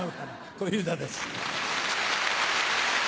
小遊三です。